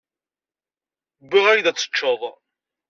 Wwiɣ-ak-d ad teččeḍ.